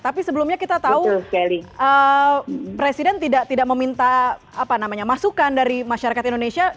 tapi sebelumnya kita tahu presiden tidak meminta masukan dari masyarakat indonesia